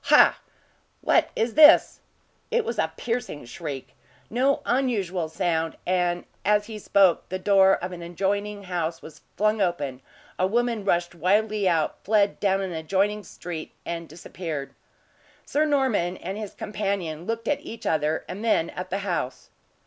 Ha! what is this?" It was a piercing shriek no unusual sound; and as he spoke, the door of an adjoining house was flung open, a woman rushed wildly out, fled down an adjoining street, and disappeared. Sir Norman and his companion looked at each other, and then at the house.